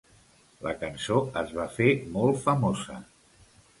La cançó es va fer molt famosa.